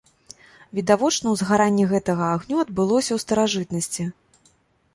Відавочна узгаранне гэтага агню адбылося ў старажытнасці.